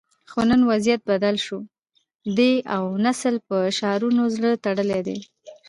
خو نن وضعیت بدل شوی دی او نسل په شعارونو زړه تړلی دی